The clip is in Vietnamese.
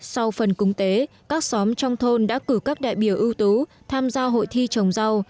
sau phần cúng tế các xóm trong thôn đã cử các đại biểu ưu tú tham gia hội thi trồng rau